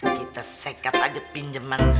kita sekat aja pinjaman